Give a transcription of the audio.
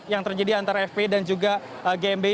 yang terjadi antara fpi dan juga gmbi